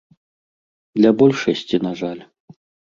Для большасці, на жаль.